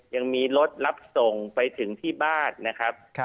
ยังมีรถรับส่งไปถึงที่บ้านนะครับ